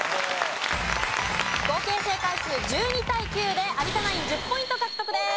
合計正解数１２対９で有田ナイン１０ポイント獲得です。